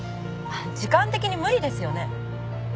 時間的に無理ですよね？